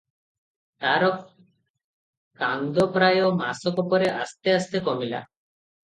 ତାର କାନ୍ଦ ପ୍ରାୟ ମାସକ ପରେ ଆସ୍ତେ ଆସ୍ତେ କମିଲା ।